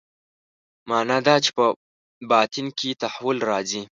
معنا دا چې په باطن کې تحول راځي.